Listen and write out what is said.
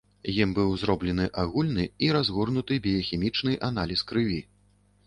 Ім быў зроблены агульны і разгорнуты біяхімічны аналіз крыві.